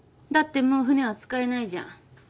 だってもう船は使えないじゃん。